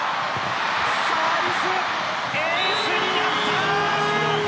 サービスエースになった。